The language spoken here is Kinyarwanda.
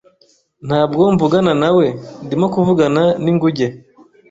Ntabwo mvugana nawe. Ndimo kuvugana n'inguge.